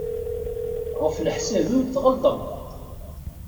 Ɣef leḥsab-iw tɣelṭem.